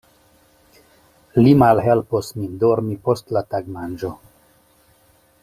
Li malhelpos min dormi post la tagmanĝo.